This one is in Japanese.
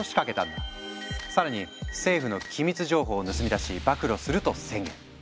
更に政府の機密情報を盗み出し暴露すると宣言。